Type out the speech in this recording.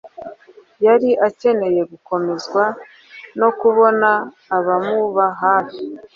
yari akeneye gukomezwa no kubona abamuba hafi.